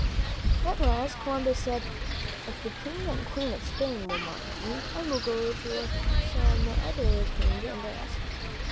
At last Columbus said: "If the King and W^ Queen of Spain will not help me, I will go to some other king and ask."